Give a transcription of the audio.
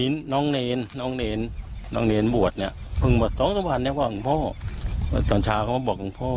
มีนน้องเณรน้องเณรน้องเณรบวชนะเพิ่งมาสลองสำคัญเนี่ยตอนเช้าเกิดบอกกับพ่อ